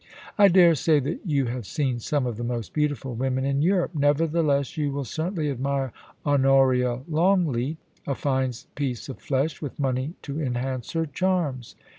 * I dare say that you have seen some of the most beautiful women in Europe ; nevertheless, you will certainly admire Honoria Longleat. A fine piece of flesh, with money to enhance her charms.'